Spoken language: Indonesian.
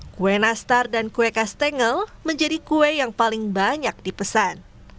kue nastar dan kue kastengel menjadi kue yang paling banyak dipesan